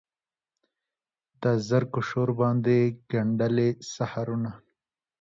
د زرکو شور باندې ګندلې سحرونه